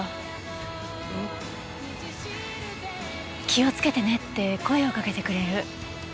「気をつけてね」って声をかけてくれる。